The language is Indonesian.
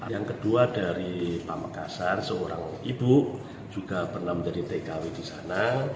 yang kedua dari pamekasan seorang ibu juga pernah menjadi tkw di sana